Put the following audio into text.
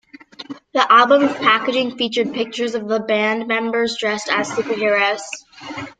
The album's packaging featured pictures of the band members dressed as superheroes.